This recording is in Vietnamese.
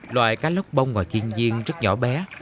loại cá lóc bông ngoài thiên nhiên rất nhỏ bé